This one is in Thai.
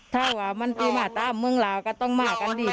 ถ้าว่ามันตีมาตามเมืองลาวก็ต้องมากันดี